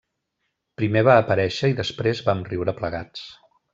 Primer va aparèixer i després vam riure plegats.